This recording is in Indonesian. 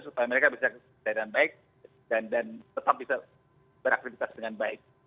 supaya mereka bisa jalan baik dan tetap bisa beraktivitas dengan baik